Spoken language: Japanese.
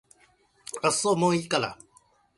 あっそもういいから